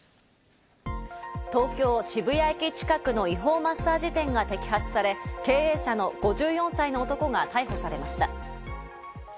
東京・渋谷駅近くの違法マッサージ店が摘発され、経営者の５４歳の男が逮捕されました。